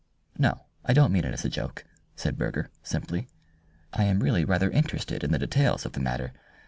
"No, I don't mean it as a joke," said Burger, simply. "I am really rather interested in the details of the matter.